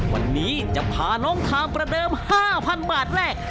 วันนี้จะพาน้องทามประเดิม๕๐๐๐บาทแรก